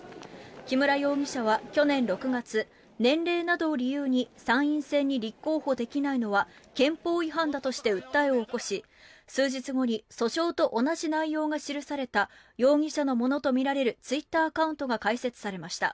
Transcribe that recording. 木村容疑者は去年６月年齢などを理由に参院選に立候補できないのは憲法違反だとして訴えを起こし数日後に訴訟と同じ内容が記された容疑者のものとみられるツイッターアカウントが開設されました。